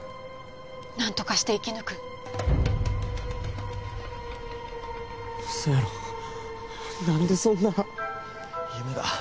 何とかして生き抜く嘘やろ何でそんな夢だ